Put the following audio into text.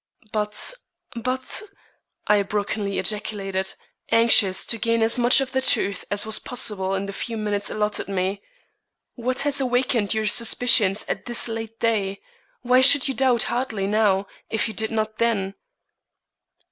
"But but " I brokenly ejaculated, anxious to gain as much of the truth as was possible in the few minutes allotted me; "what has awakened your suspicions at this late day? Why should you doubt Hartley now, if you did not then?"